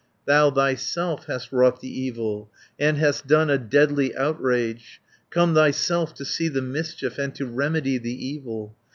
Thou thyself hast wrought the evil, And hast done a deadly outrage. Come thyself to see the mischief, And to remedy the evil.